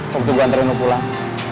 waktu gue antarin lo pulang